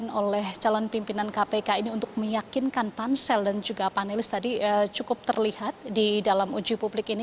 dan juga terlibat oleh calon pimpinan kpk ini untuk meyakinkan pansel dan juga panelis tadi cukup terlihat di dalam uji publik ini